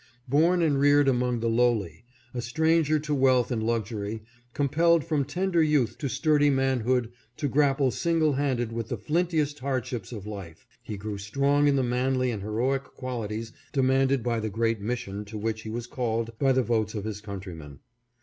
Born and reared among the lowly ; a stran ger to wealth and luxury ; compelled from tender youth to sturdy manhood to grapple single handed with the flintiest hardships of life, he grew strong in the manly and heroic qualities demanded by the great mission to which he was called by the votes of his countrymen.